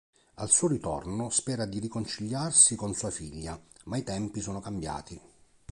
Al suo ritorno, spera di riconciliarsi con sua figlia, ma i tempi sono cambiati.